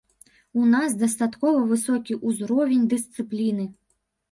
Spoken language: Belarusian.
У нас дастаткова высокі ўзровень дысцыпліны.